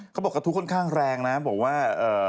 เขาบอกว่ากระทุค่อนข้างแรงนะ